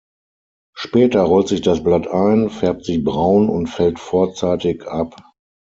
Später rollt sich das Blatt ein, färbt sich braun und fällt vorzeitig ab.